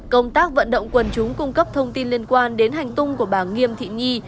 công tác vận động quần chúng cung cấp thông tin liên quan đến hành tung của bà nghiêm thị nhi